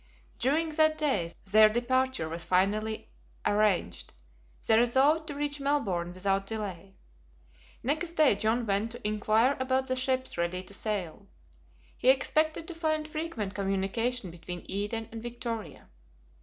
During that day, their departure was finally arranged; they resolved to reach Melbourne without delay. Next day John went to inquire about the ships ready to sail. He expected to find frequent communication between Eden and Victoria.